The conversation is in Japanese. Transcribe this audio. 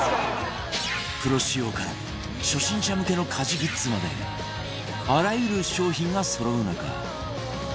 プロ仕様から初心者向けの家事グッズまであらゆる商品がそろう中